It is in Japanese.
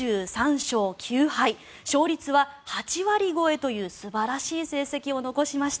勝率８割超えという素晴らしい成績を残しました。